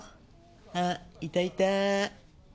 あっいたいた。